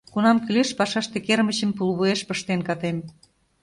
Кунам кӱлеш, пашаште кермычым пулвуеш пыштен катем.